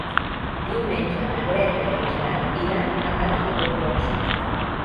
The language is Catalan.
Diumenge na Greta i en Gerard iran a Gata de Gorgos.